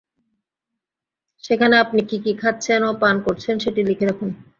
সেখানে আপনি কী কী খাচ্ছেন ও পান করছেন সেটি লিখে রাখুন।